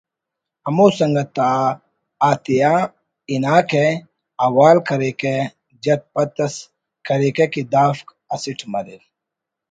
ہمو سنگت آتیا ہناکہ حوال کریکہ جت پت اس کریکہ کہ دافک اسٹ مریر